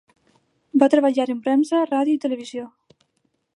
Va treballar en premsa, ràdio i televisió.